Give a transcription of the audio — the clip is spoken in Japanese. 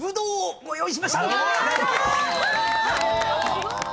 すごーい。